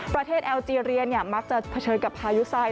ประเทศแอลเจรียมักจะเผชิญกับพายุทราย